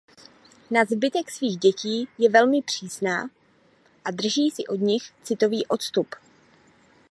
Na zbytek svých dětí je velmi přísná a drží si od nich citový odstup.